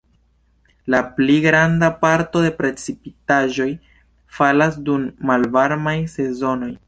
La pli granda parto de precipitaĵoj falas dum malvarmaj sezonoj.